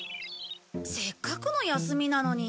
せっかくの休みなのに。